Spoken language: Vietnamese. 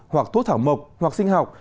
hoặc thuốc thảo mộc hoặc sinh học